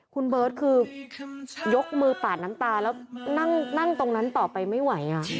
คุณเบิร์ตคือยกมือปาดน้ำตาแล้วนั่งตรงนั้นต่อไปไม่ไหว